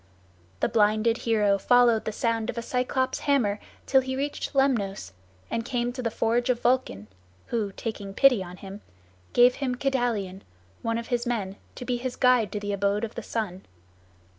The blinded hero followed the sound of a Cyclops' hammer till he reached Lemnos, and came to the forge of Vulcan, who, taking pity on him, gave him Kedalion, one of his men, to be his guide to the abode of the sun.